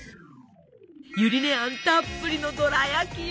ゆり根あんたっぷりのどら焼きよ！